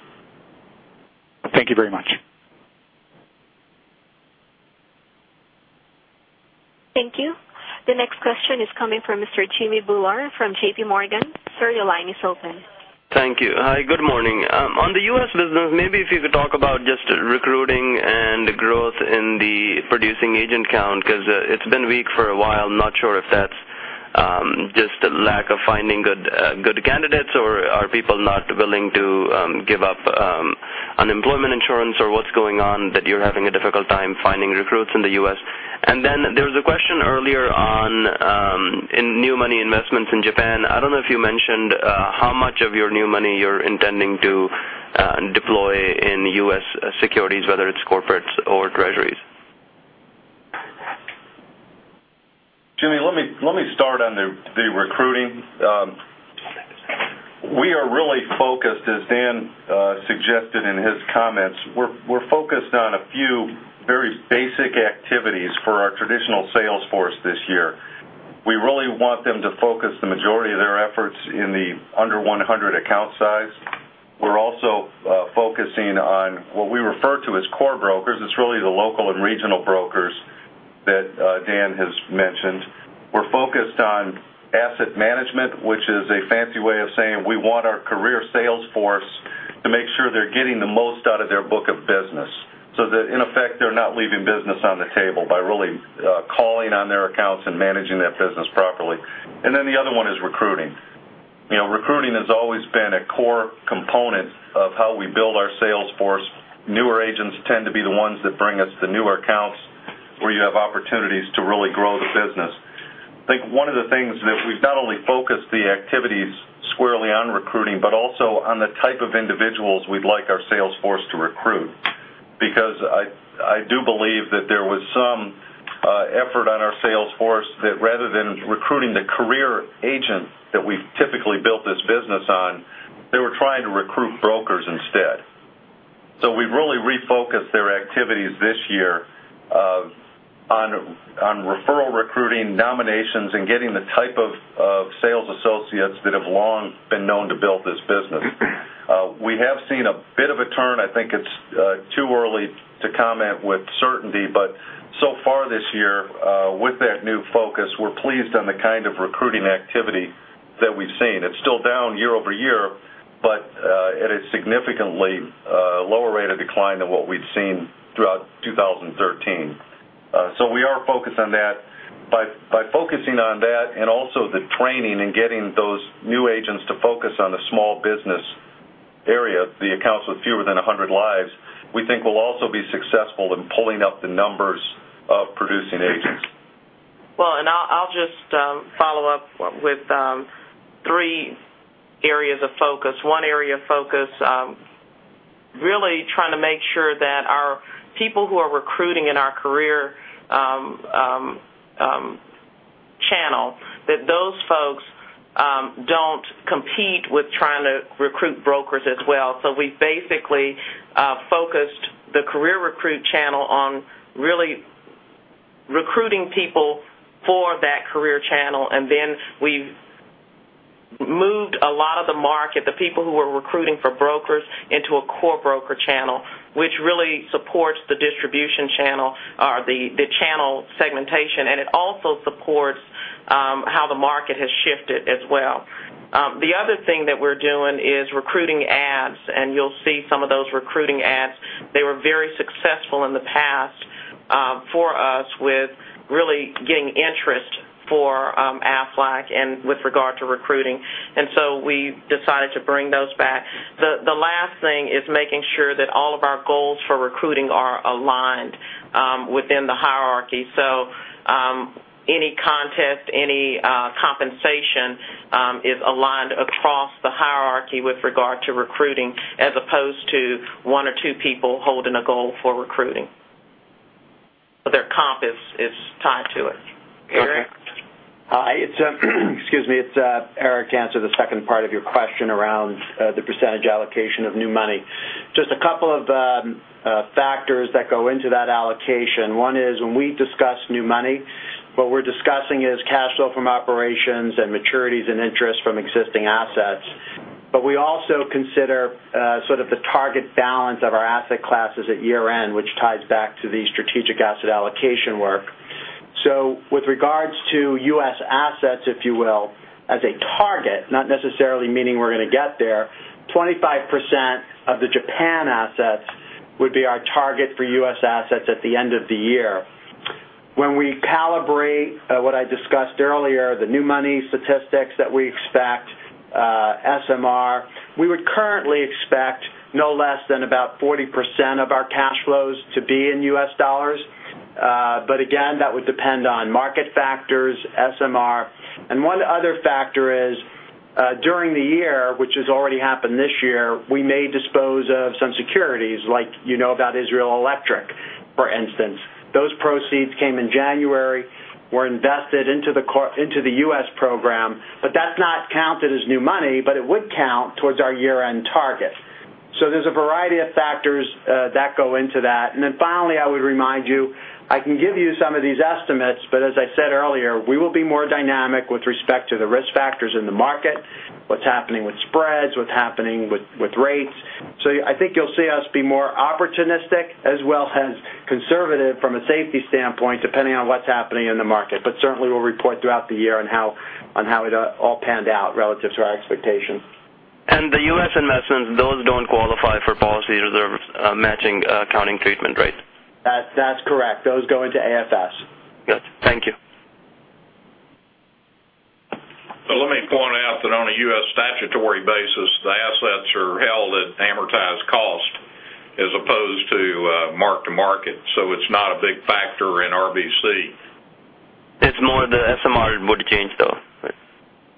Thank you very much. Thank you. The next question is coming from Mr. Jimmy Bhullar from J.P. Morgan. Sir, your line is open. Thank you. Hi, good morning. On the U.S. business, maybe if you could talk about just recruiting and growth in the producing agent count, because it's been weak for a while. I'm not sure if that's just a lack of finding good candidates, or are people not willing to give up unemployment insurance, or what's going on that you're having a difficult time finding recruits in the U.S.? Then there was a question earlier on new money investments in Japan. I don't know if you mentioned how much of your new money you're intending to deploy in U.S. securities, whether it's corporates or treasuries. Jimmy, let me start on the recruiting. We are really focused, as Dan suggested in his comments, we're focused on a few very basic activities for our traditional sales force this year. We really want them to focus the majority of their efforts in the under 100 account size. We're also focusing on what we refer to as core brokers. It's really the local and regional brokers that Dan has mentioned. We're focused on asset management, which is a fancy way of saying we want our career sales force to make sure they're getting the most out of their book of business, so that in effect, they're not leaving business on the table by really calling on their accounts and managing that business properly. Then the other one is recruiting. Recruiting has always been a core component of how we build our sales force. Newer agents tend to be the ones that bring us the newer accounts where you have opportunities to really grow the business. I think one of the things that we've not only focused the activities squarely on recruiting, but also on the type of individuals we'd like our sales force to recruit. Because I do believe that there was some effort on our sales force that rather than recruiting the career agent that we've typically built this business on, they were trying to recruit. year on referral recruiting nominations and getting the type of sales associates that have long been known to build this business. We have seen a bit of a turn. I think it's too early to comment with certainty, but so far this year, with that new focus, we're pleased on the kind of recruiting activity that we've seen. It's still down year-over-year, but at a significantly lower rate of decline than what we've seen throughout 2013. We are focused on that. By focusing on that and also the training and getting those new agents to focus on the small business area, the accounts with fewer than 100 lives, we think we'll also be successful in pulling up the numbers of producing agents. I'll just follow up with three areas of focus. One area of focus, really trying to make sure that our people who are recruiting in our career channel, that those folks don't compete with trying to recruit brokers as well. We basically focused the career recruit channel on really recruiting people for that career channel. We've moved a lot of the market, the people who were recruiting for brokers into a core broker channel, which really supports the distribution channel or the channel segmentation. It also supports how the market has shifted as well. The other thing that we're doing is recruiting ads. You'll see some of those recruiting ads. They were very successful in the past for us with really getting interest for Aflac and with regard to recruiting. We decided to bring those back. The last thing is making sure that all of our goals for recruiting are aligned within the hierarchy. Any contest, any compensation, is aligned across the hierarchy with regard to recruiting, as opposed to one or two people holding a goal for recruiting. Their comp is tied to it. Eric? Hi, it's Eric to answer the second part of your question around the percentage allocation of new money. Just a couple of factors that go into that allocation. One is when we discuss new money, what we're discussing is cash flow from operations and maturities and interest from existing assets. We also consider sort of the target balance of our asset classes at year-end, which ties back to the strategic asset allocation work. With regards to U.S. assets, if you will, as a target, not necessarily meaning we're going to get there, 25% of the Japan assets would be our target for U.S. assets at the end of the year. When we calibrate what I discussed earlier, the new money statistics that we expect, SMR, we would currently expect no less than about 40% of our cash flows to be in U.S. dollars. Again, that would depend on market factors, SMR, and one other factor is, during the year, which has already happened this year, we may dispose of some securities like you know about Israel Electric, for instance. Those proceeds came in January, were invested into the U.S. program, but that's not counted as new money, but it would count towards our year-end target. There's a variety of factors that go into that. Finally, I would remind you, I can give you some of these estimates, but as I said earlier, we will be more dynamic with respect to the risk factors in the market, what's happening with spreads, what's happening with rates. I think you'll see us be more opportunistic as well as conservative from a safety standpoint, depending on what's happening in the market. Certainly we'll report throughout the year on how it all panned out relative to our expectations. The U.S. investments, those don't qualify for policy reserves matching accounting treatment, right? That's correct. Those go into AFS. Yes. Thank you. Let me point out that on a U.S. statutory basis, the assets are held at amortized cost as opposed to mark to market. It's not a big factor in RBC. It's more the SMR would change, though,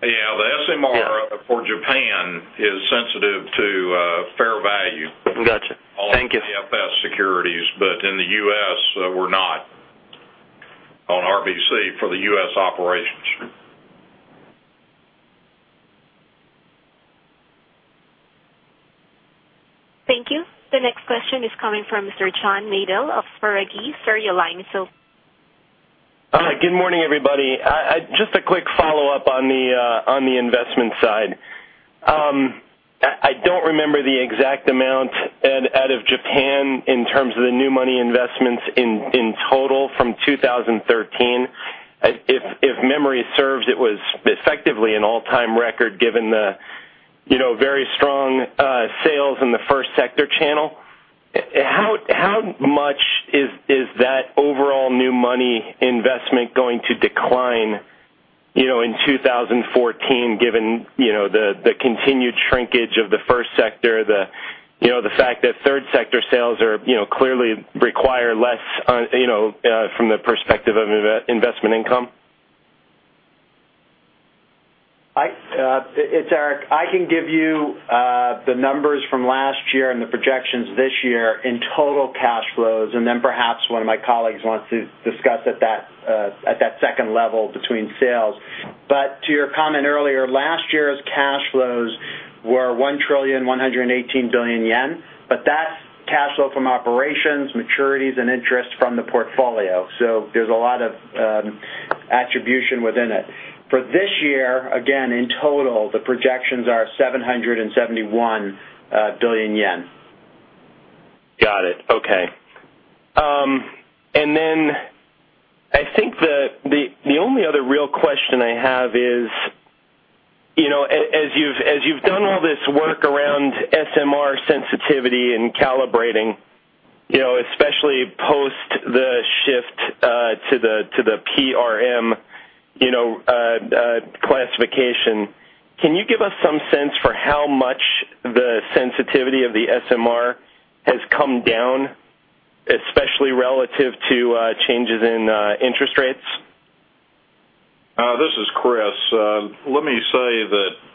right? Yeah. The SMR. Yeah. For Japan is sensitive to fair value. Got you. Thank you on AFS securities. In the U.S., we're not on RBC for the U.S. operations. Thank you. The next question is coming from Mr. John Nadel of Sterne Agee. Sir, your line is open. Good morning, everybody. Just a quick follow-up on the investment side. I don't remember the exact amount out of Japan in terms of the new money investments in total from 2013. If memory serves, it was effectively an all-time record given the very strong sales in the first sector channel. How much is that overall new money investment going to decline in 2014, given the continued shrinkage of the first sector, the fact that third sector sales clearly require less from the perspective of investment income? It's Eric. I can give you the numbers from last year and the projections this year in total cash flows, then perhaps one of my colleagues wants to discuss at that second level between sales. To your comment earlier Were 1,118 trillion, that's cash flow from operations, maturities, and interest from the portfolio. There's a lot of attribution within it. For this year, again, in total, the projections are 771 billion yen. Got it. Okay. I think the only other real question I have is, as you've done all this work around SMR sensitivity and calibrating, especially post the shift to the PRM classification, can you give us some sense for how much the sensitivity of the SMR has come down, especially relative to changes in interest rates? This is Kriss. Let me say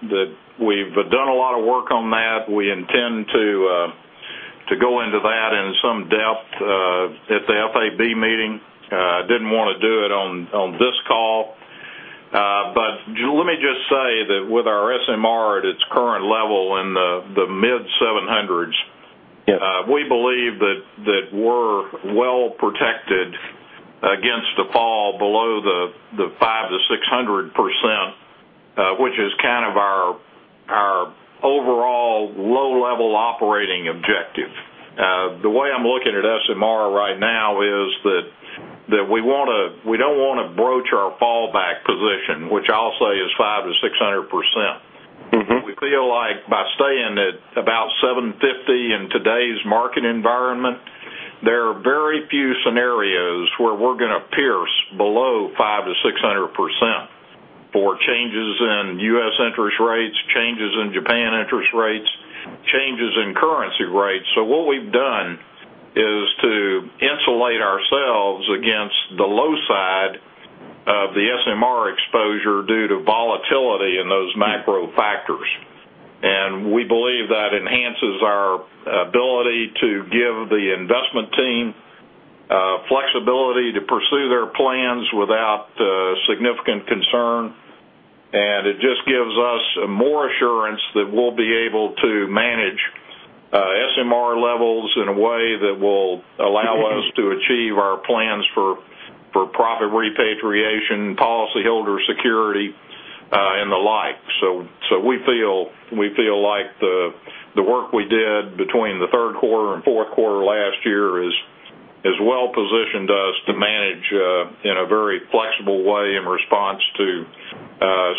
that we've done a lot of work on that. We intend to go into that in some depth at the FAB meeting. Didn't want to do it on this call. Let me just say that with our SMR at its current level in the mid-700s- Yes We believe that we're well-protected against a fall below the 500%-600%, which is kind of our overall low-level operating objective. The way I'm looking at SMR right now is that we don't want to broach our fallback position, which I'll say is 500%-600%. We feel like by staying at about 750 in today's market environment, there are very few scenarios where we're going to pierce below 500%-600% for changes in U.S. interest rates, changes in Japan interest rates, changes in currency rates. What we've done is to insulate ourselves against the low side of the SMR exposure due to volatility in those macro factors. We believe that enhances our ability to give the investment team flexibility to pursue their plans without significant concern. It just gives us more assurance that we'll be able to manage SMR levels in a way that will allow us to achieve our plans for profit repatriation, policy holder security, and the like. We feel like the work we did between the third quarter and fourth quarter last year has well-positioned us to manage in a very flexible way in response to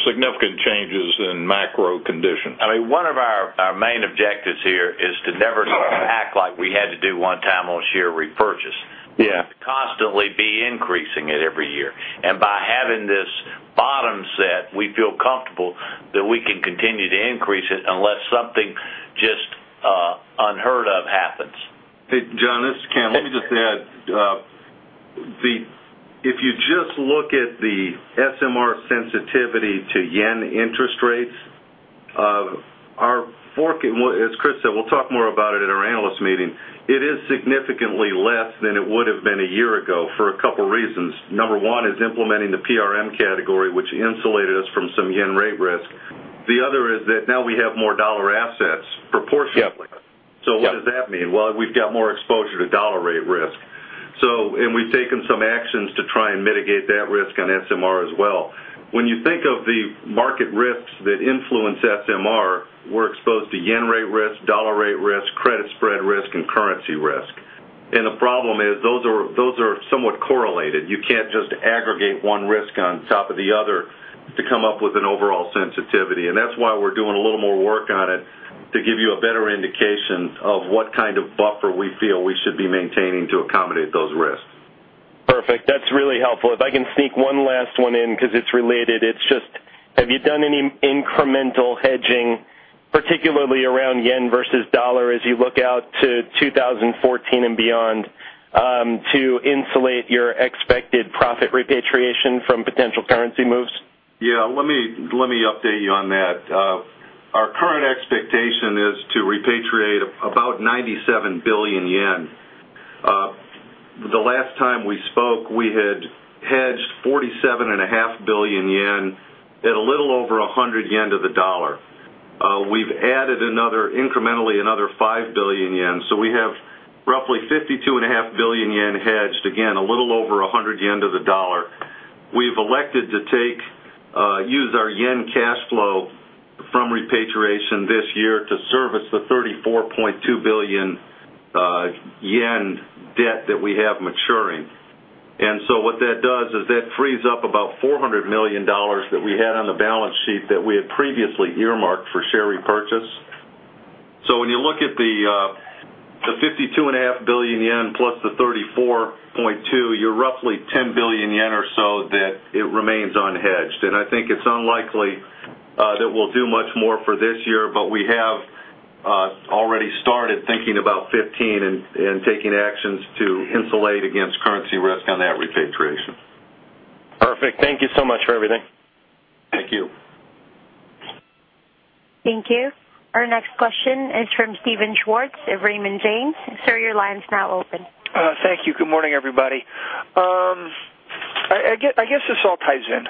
significant changes in macro conditions. One of our main objectives here is to never act like we had to do one time last year repurchase. Yeah. Constantly be increasing it every year. By having this bottom set, we feel comfortable that we can continue to increase it unless something just unheard of happens. John, this is Ken. Let me just add, if you just look at the SMR sensitivity to JPY interest rates, as Kriss said, we'll talk more about it at our analyst meeting. It is significantly less than it would've been a year ago for a couple of reasons. Number 1 is implementing the PRM category, which insulated us from some JPY rate risk. The other is that now we have more USD assets proportionately. Yep. What does that mean? Well, we've got more exposure to USD rate risk. We've taken some actions to try and mitigate that risk on SMR as well. When you think of the market risks that influence SMR, we're exposed to JPY rate risk, USD rate risk, credit spread risk, and currency risk. The problem is those are somewhat correlated. You can't just aggregate one risk on top of the other to come up with an overall sensitivity. That's why we're doing a little more work on it to give you a better indication of what kind of buffer we feel we should be maintaining to accommodate those risks. Perfect. That's really helpful. If I can sneak one last one in because it's related. It's just, have you done any incremental hedging, particularly around JPY versus USD as you look out to 2014 and beyond, to insulate your expected profit repatriation from potential currency moves? Yeah. Let me update you on that. Our current expectation is to repatriate about 97 billion yen. The last time we spoke, we had hedged 47.5 billion yen at a little over 100 yen to the dollar. We've added incrementally another 5 billion yen. We have roughly 52.5 billion yen hedged, again, a little over 100 yen to the dollar. We've elected to use our yen cash flow from repatriation this year to service the 34.2 billion yen debt that we have maturing. What that does is that frees up about $400 million that we had on the balance sheet that we had previously earmarked for share repurchase. When you look at the 52.5 billion yen plus the 34.2 billion, you're roughly 10 billion yen or so that it remains unhedged. I think it's unlikely that we'll do much more for this year, but we have already started thinking about 2015 and taking actions to insulate against currency risk on that repatriation. Perfect. Thank you so much for everything. Thank you. Thank you. Our next question is from Steven Schwartz of Raymond James. Sir, your line's now open. Thank you. Good morning, everybody. I guess this all ties in.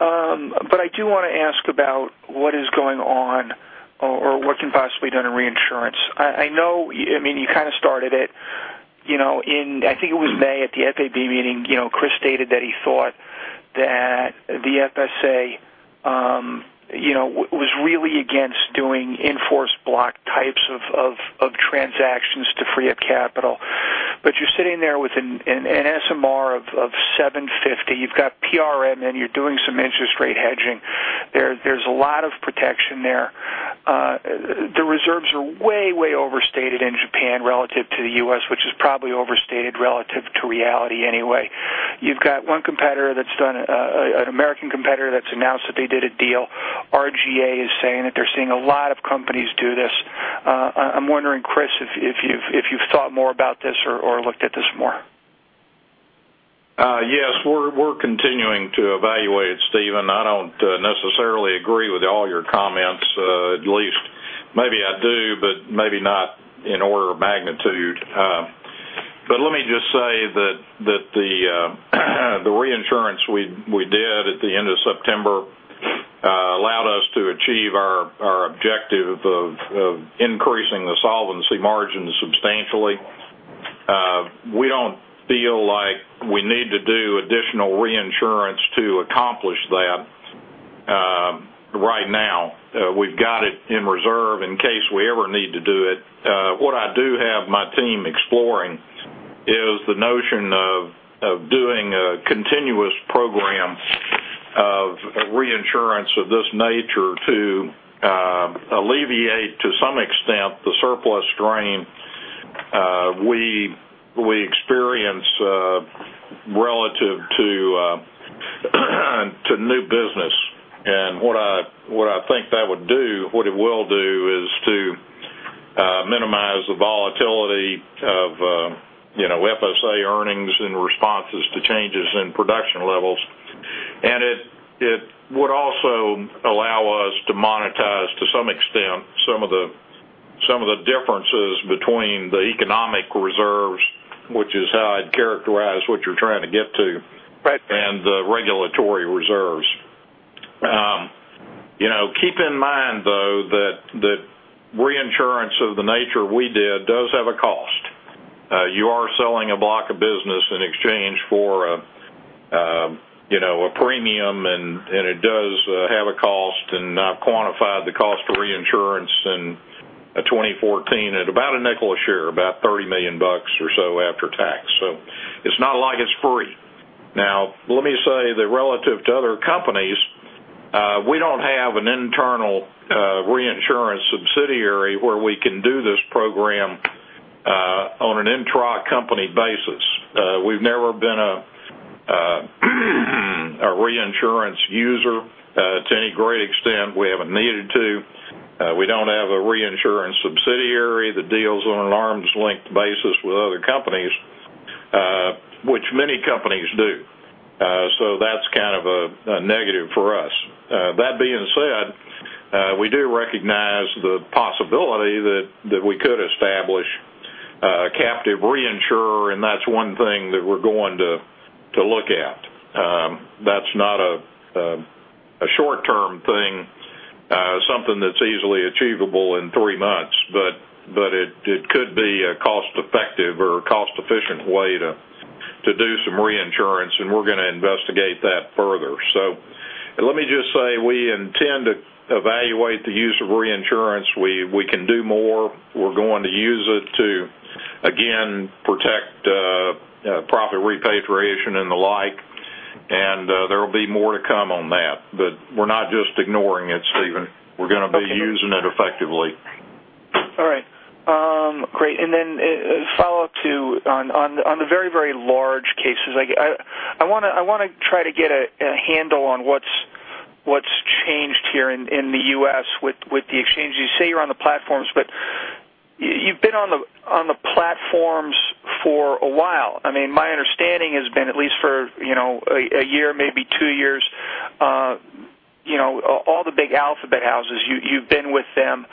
I do want to ask about what is going on or what can possibly be done in reinsurance. I know you kind of started it in, I think it was May at the FAB meeting, Chris stated that he thought that the FSA was really against doing in-force block types of transactions to free up capital. You're sitting there with an SMR of 750, you've got PRM and you're doing some interest rate hedging. There's a lot of protection there. The reserves are way overstated in Japan relative to the U.S., which is probably overstated relative to reality anyway. You've got one competitor that's done, an American competitor that's announced that they did a deal. RGA is saying that they're seeing a lot of companies do this. I'm wondering, Chris, if you've thought more about this or looked at this more. Yes. We're continuing to evaluate, Steven. I don't necessarily agree with all your comments, at least maybe I do. Maybe not in order of magnitude. Let me just say that the reinsurance we did at the end of September allowed us to achieve our objective of increasing the solvency margins substantially. We don't feel like we need to do additional reinsurance to accomplish that right now. We've got it in reserve in case we ever need to do it. What I do have my team exploring is the notion of doing a continuous program of reinsurance of this nature to alleviate, to some extent, the surplus drain we experience relative to new business. What I think that would do, what it will do, is to minimize the volatility of FSA earnings in responses to changes in production levels. It would also allow us to monetize, to some extent, some of the differences between the economic reserves, which is how I'd characterize what you're trying to get to. Right The regulatory reserves. Keep in mind, though, that reinsurance of the nature we did, does have a cost. You are selling a block of business in exchange for a premium, and it does have a cost, and I've quantified the cost of reinsurance in 2014 at about $0.05 a share, about $30 million or so after tax. It's not like it's free. Let me say that relative to other companies, we don't have an internal reinsurance subsidiary where we can do this program on an intra-company basis. We've never been a reinsurance user to any great extent. We haven't needed to. We don't have a reinsurance subsidiary that deals on an arm's length basis with other companies, which many companies do. That's kind of a negative for us. That being said, we do recognize the possibility that we could establish a captive reinsurer. That's one thing that we're going to look at. That's not a short-term thing, something that's easily achievable in three months, but it could be a cost-effective or cost-efficient way to do some reinsurance. We're going to investigate that further. Let me just say, we intend to evaluate the use of reinsurance. We can do more. We're going to use it to, again, protect profit repatriation and the like. There'll be more to come on that. We're not just ignoring it, Steven. We're going to be using it effectively. All right. Great. A follow-up to, on the very large cases, I want to try to get a handle on what's changed here in the U.S. with the exchanges. You say you're on the platforms, you've been on the platforms for a while. My understanding has been, at least for one year, maybe two years, all the big alphabet houses, you've been with them.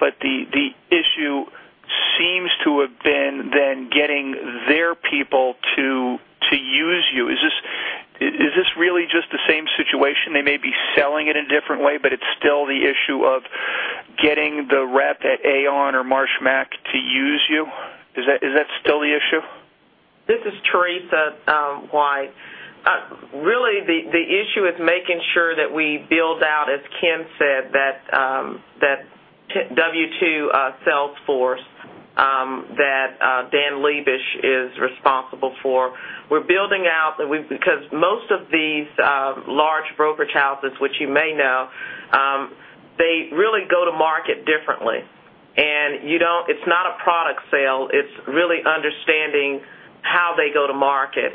The issue seems to have been then getting their people to use you. Is this really just the same situation? They may be selling it a different way, it's still the issue of getting the rep at Aon or Marsh Mac to use you? Is that still the issue? This is Teresa White. Really, the issue is making sure that we build out, as Ken said, that W2 sales force that Dan Lebish is responsible for. We're building out because most of these large brokerage houses, which you may know, they really go to market differently. It's not a product sale, it's really understanding how they go to market.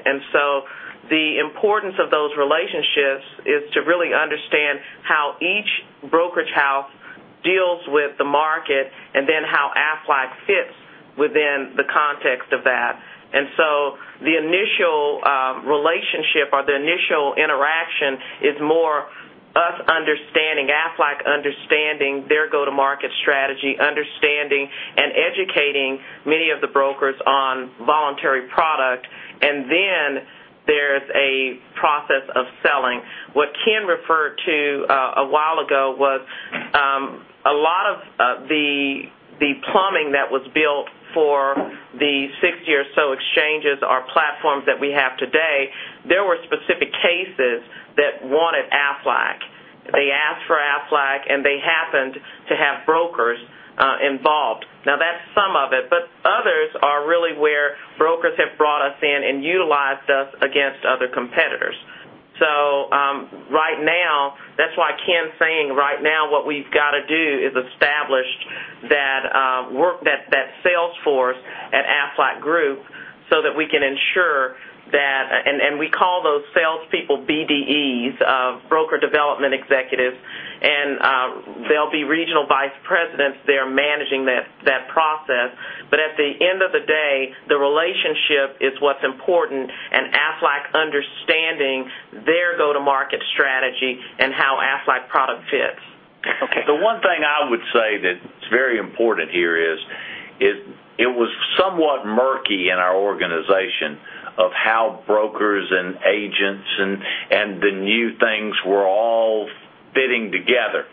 The importance of those relationships is to really understand how each brokerage house deals with the market and then how Aflac fits within the context of that. The initial relationship or the initial interaction is more us understanding, Aflac understanding their go-to-market strategy. and educating many of the brokers on voluntary product. Then there's a process of selling. What Ken referred to a while ago was a lot of the plumbing that was built for the 60 or so exchanges or platforms that we have today, there were specific cases that wanted Aflac. They asked for Aflac, and they happened to have brokers involved. That's some of it, but others are really where brokers have brought us in and utilized us against other competitors. Right now, that's why Ken's saying right now what we've got to do is establish that sales force at Aflac Group so that we can ensure that and we call those salespeople BDEs, broker development executives, and there'll be regional vice presidents there managing that process. At the end of the day, the relationship is what's important and Aflac understanding their go-to-market strategy and how Aflac product fits. Okay. The one thing I would say that's very important here is it was somewhat murky in our organization of how brokers and agents and the new things were all fitting together.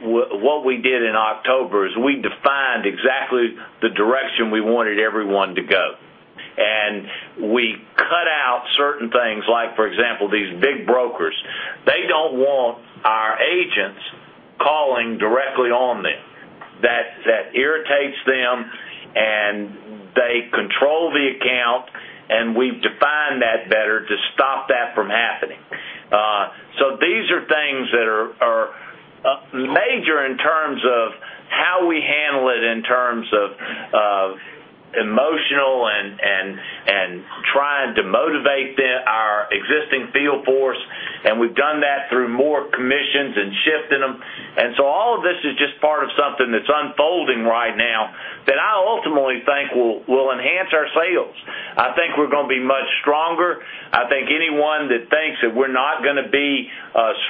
What we did in October is we defined exactly the direction we wanted everyone to go. We cut out certain things like, for example, these big brokers. They don't want our agents calling directly on them. That irritates them, and they control the account, and we've defined that better to stop that from happening. These are things that are major in terms of how we handle it, in terms of emotional and trying to motivate our existing field force. We've done that through more commissions and shifting them. All of this is just part of something that's unfolding right now that I ultimately think will enhance our sales. I think we're going to be much stronger. I think anyone that thinks that we're not going to be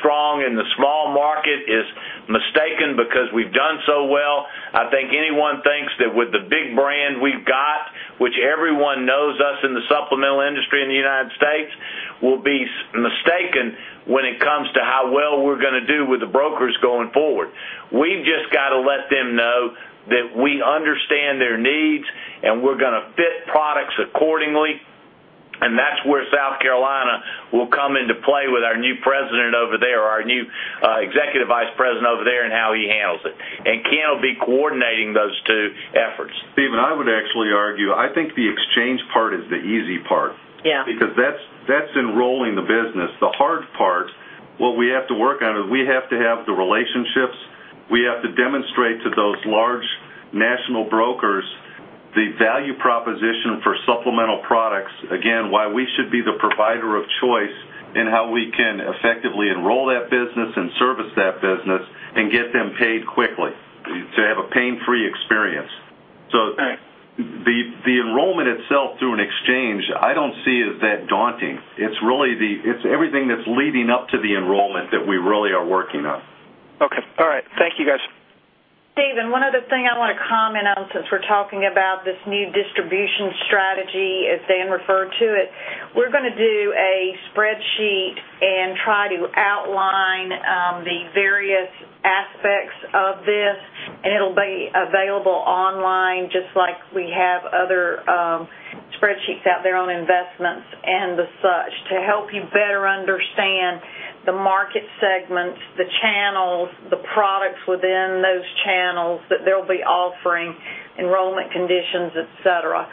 strong in the small market is mistaken because we've done so well. I think anyone thinks that with the big brand we've got, which everyone knows us in the supplemental industry in the U.S., will be mistaken when it comes to how well we're going to do with the brokers going forward. We've just got to let them know that we understand their needs, and we're going to fit products accordingly, and that's where South Carolina will come into play with our new president over there, our new executive vice president over there, and how he handles it. Ken will be coordinating those two efforts. Steven, I would actually argue, I think the exchange part is the easy part. Yeah. That's enrolling the business. The hard part, what we have to work on is we have to have the relationships. We have to demonstrate to those large national brokers the value proposition for supplemental products, again, why we should be the provider of choice in how we can effectively enroll that business and service that business and get them paid quickly to have a pain-free experience. Right. The enrollment itself through an exchange, I don't see as that daunting. It's everything that's leading up to the enrollment that we really are working on. Okay. All right. Thank you, guys. Steven, one other thing I want to comment on, since we're talking about this new distribution strategy, as Dan referred to it. We're going to do a spreadsheet and try to outline the various aspects of this. It'll be available online just like we have other spreadsheets out there on investments and the such to help you better understand the market segments, the channels, the products within those channels that they'll be offering, enrollment conditions, et cetera.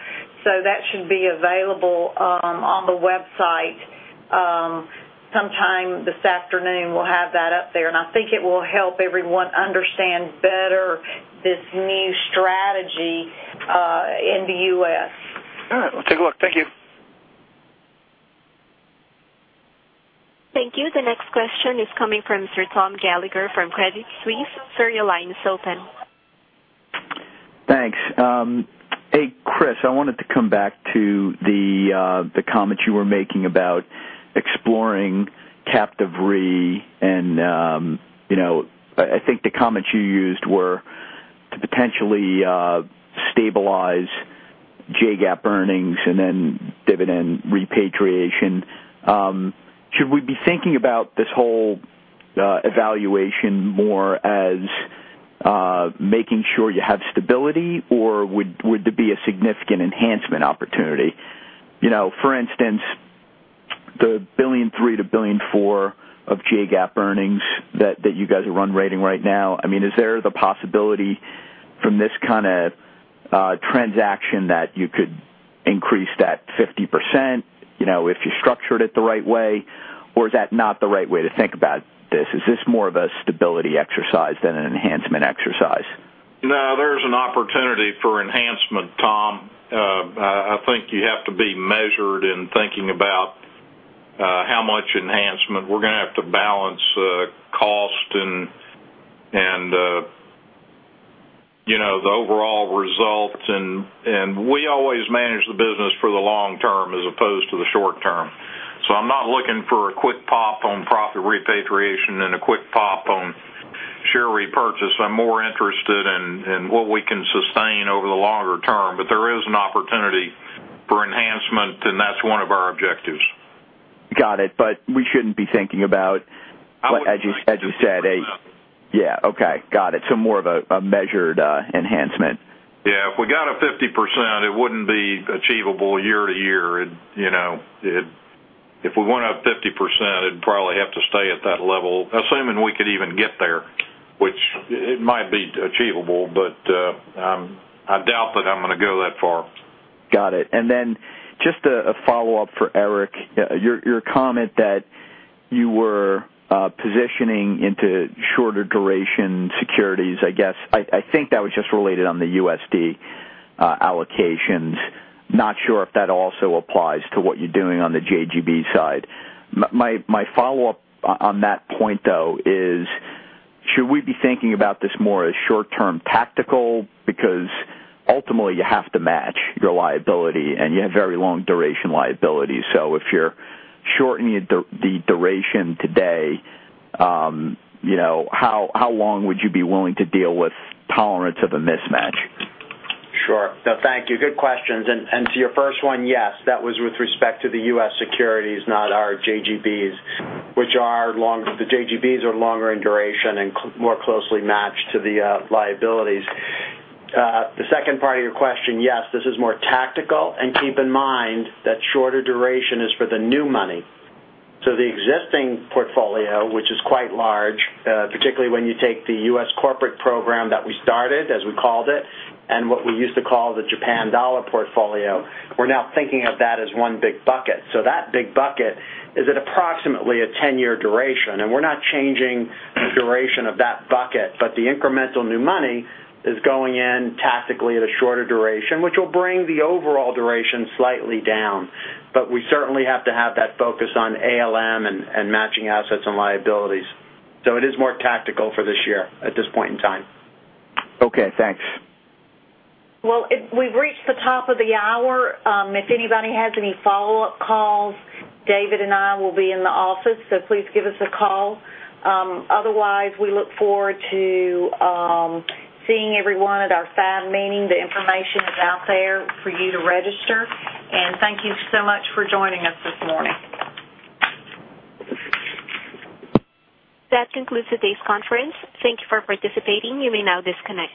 That should be available on the website. Sometime this afternoon, we'll have that up there. I think it will help everyone understand better this new strategy in the U.S. All right. I'll take a look. Thank you. Thank you. The next question is coming from sir Tom Gallagher from Credit Suisse. Sir, your line is open. Thanks. Hey, Kriss, I wanted to come back to the comments you were making about exploring captive re and I think the comments you used were to potentially stabilize GAAP earnings and then dividend repatriation. Should we be thinking about this whole evaluation more as making sure you have stability, or would there be a significant enhancement opportunity? For instance, the $1.3 billion-$1.4 billion of GAAP earnings that you guys are run rating right now, is there the possibility from this kind of transaction that you could increase that 50% if you structured it the right way, or is that not the right way to think about this? Is this more of a stability exercise than an enhancement exercise? There's an opportunity for enhancement, Tom. I think you have to be measured in thinking about how much enhancement. We're going to have to balance cost and the overall results, we always Long term as opposed to the short term. I'm not looking for a quick pop on profit repatriation and a quick pop on share repurchase. I'm more interested in what we can sustain over the longer term. There is an opportunity for enhancement, that's one of our objectives. Got it. We shouldn't be thinking about- I wouldn't think 50% as you said, Yeah, okay. Got it. More of a measured enhancement. Yeah. If we got a 50%, it wouldn't be achievable year to year. If we went up 50%, it'd probably have to stay at that level, assuming we could even get there, which it might be achievable, but I doubt that I'm going to go that far. Got it. Just a follow-up for Eric. Your comment that you were positioning into shorter duration securities, I guess, I think that was just related on the USD allocations. Not sure if that also applies to what you're doing on the JGB side. My follow-up on that point, though, is should we be thinking about this more as short term tactical? Ultimately you have to match your liability, and you have very long duration liability. If you're shortening the duration today, how long would you be willing to deal with tolerance of a mismatch? Sure. No, thank you. Good questions. To your first one, yes, that was with respect to the U.S. securities, not our JGBs, which the JGBs are longer in duration and more closely matched to the liabilities. The second part of your question, yes, this is more tactical. Keep in mind that shorter duration is for the new money. The existing portfolio, which is quite large, particularly when you take the U.S. corporate program that we started, as we called it, and what we used to call the Japan dollar portfolio, we're now thinking of that as one big bucket. That big bucket is at approximately a 10-year duration, and we're not changing the duration of that bucket, but the incremental new money is going in tactically at a shorter duration, which will bring the overall duration slightly down. We certainly have to have that focus on ALM and matching assets and liabilities. It is more tactical for this year at this point in time. Okay, thanks. We've reached the top of the hour. If anybody has any follow-up calls, David and I will be in the office, so please give us a call. Otherwise, we look forward to seeing everyone at our FAB meeting. The information is out there for you to register. Thank you so much for joining us this morning. That concludes today's conference. Thank you for participating. You may now disconnect.